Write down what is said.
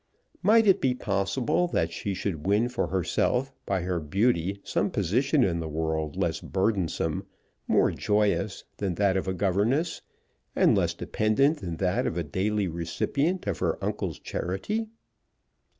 Might it be possible that she should win for herself by her beauty some position in the world less burdensome, more joyous than that of a governess, and less dependent than that of a daily recipient of her uncle's charity?